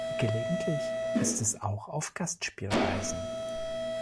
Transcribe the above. Gelegentlich ist es auch auf Gastspielreisen.